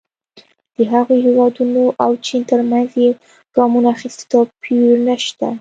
د هغو هېوادونو او چین ترمنځ چې ګامونه اخیستي توپیر نه شته.